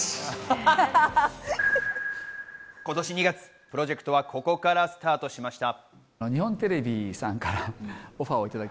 今年２月、プロジェクトはここからスタートしました。